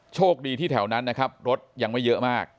โชคดีที่แถวนั้นนะครับรถยังไม่เยอะมาก